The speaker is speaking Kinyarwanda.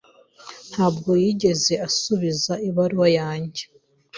Ntabwo yigeze asubiza ibaruwa yanjye.